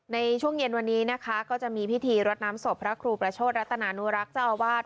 ในช่วงเย็นวันนี้นะคะก็จะมีพิธีรดน้ำศพพระครูประโชธรัตนานุรักษ์เจ้าอาวาส